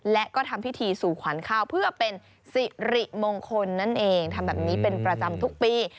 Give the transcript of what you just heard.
และก็ทำพิธีสู่ขวัญข้าวเพื่อเป็นสิริมงคลนั่นเองทำแบบนี้เป็นประจำทุกปี